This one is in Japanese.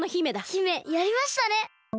姫やりましたね！